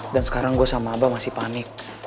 dan sekarang gue sama abah masih panik